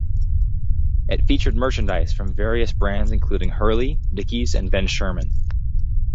It featured merchandise from various brands including Hurley, Dickies, and Ben Sherman.